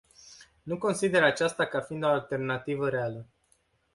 Nu consider aceasta ca fiind o alternativă reală.